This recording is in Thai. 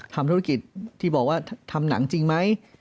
ทำธุรกิจที่บอกว่าทำหนังจริงไหม